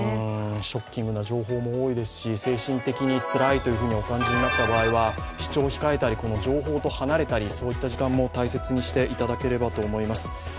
ショッキングな情報も多いですし、精神的につらいというふうにお感じになった場合は視聴を控えたり、この情報と離れたりそういった時間も大切にしていただければと思います。